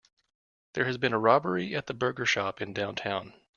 There has been a robbery at the burger shop in downtown.